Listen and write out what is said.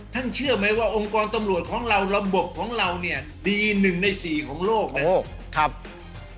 เชื่อไหมว่าองค์กรตำรวจของเราระบบของเราเนี่ยดีหนึ่งในสี่ของโลกนะครับ